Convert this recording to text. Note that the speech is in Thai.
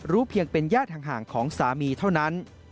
เพียงเป็นญาติห่างของสามีเท่านั้น